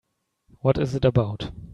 What is it about?